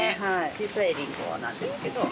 小さいリンゴなんですけど。